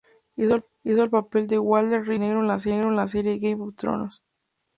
Hizo el papel de Walder Ríos el negro en la serie "Game of Thrones"